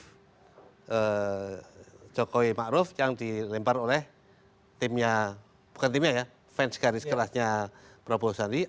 conten negatif dari jokowi ma'ruf yang dilempar oleh fans garis kerasnya prabowo sandi